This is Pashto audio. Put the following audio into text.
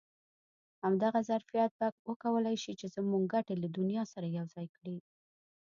همدغه ظرفیت به وکولای شي چې زموږ ګټې له دنیا سره یو ځای کړي.